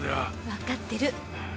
わかってる。